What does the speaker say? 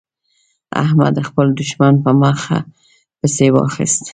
احمد خپل دوښمن په مخه پسې واخيست.